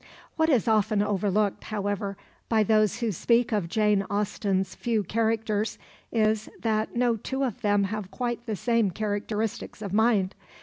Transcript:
What is often overlooked, however, by those who speak of Jane Austen's few characters, is that no two of them have quite the same characteristics of mind.